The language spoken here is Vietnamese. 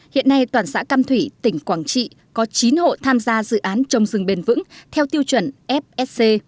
hiện nay toàn xã cam thủy tỉnh quảng trị có chín hộ tham gia dự án trồng rừng bền vững theo tiêu chuẩn fsc